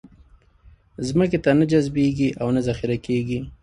ځمکې ته نه جذبېږي او نه ذخېره کېږي.